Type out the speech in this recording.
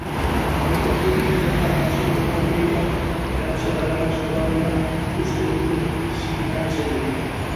Horregatik, ikerketa batzorde berri bat eratzea beharrezkoa dela uste dute sinatzaileek.